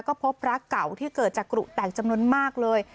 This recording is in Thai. ก็พบพระเก่าที่เกิดจากกรุแตกจำนวนมากเลย